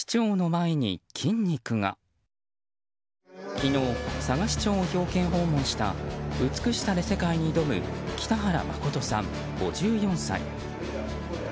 昨日、佐賀市長を表敬訪問した美しさで世界に挑む北原誠さん、５４歳。